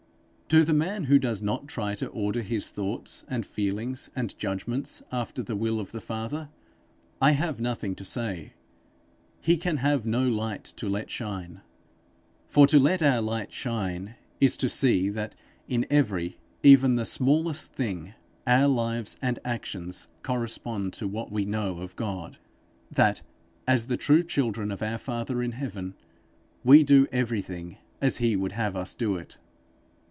To the man who does not try to order his thoughts and feelings and judgments after the will of the Father, I have nothing to say; he can have no light to let shine. For to let our light shine is to see that in every, even the smallest thing, our lives and actions correspond to what we know of God; that, as the true children of our father in heaven, we do everything as he would have us do it.